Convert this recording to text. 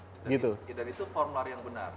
dan itu form lari yang benar